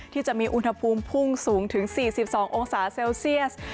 ที่มีอุณหภูมิพุ่งสูงถึง๔๒องศาเซลเซียส